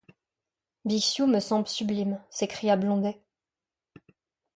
Bixiou me semble sublime, s’écria Blondet.